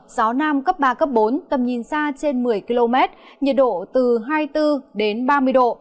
gió nam cấp ba cấp bốn tầm nhìn xa trên một mươi km nhiệt độ từ hai mươi bốn đến ba mươi độ